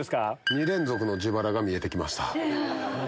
２連続の自腹が見えてきました。